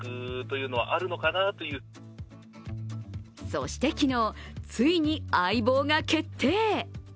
そして昨日、ついに相棒が決定。